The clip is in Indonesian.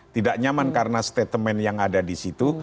tidak nyaman karena statement yang ada disitu